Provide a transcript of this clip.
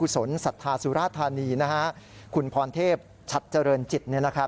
สนศรัทธาสุราธานีคุณพรเทพชัดเจริญจิต